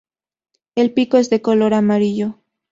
El pico es de color amarillo.